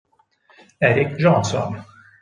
Erik Johnson